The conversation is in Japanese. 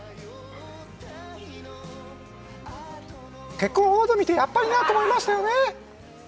結婚報道を見てやっぱりなと思いましたよね。